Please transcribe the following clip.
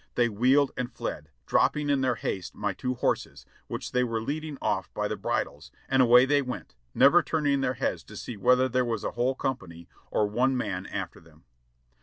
They wheeled and fled, dropping in their haste my two horses, which the}^ were leading off by the bridles, and away they went, never turning their heads to see whether there was a whole company or one man after them.